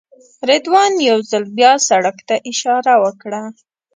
رضوان یو ځل بیا سړک ته اشاره وکړه.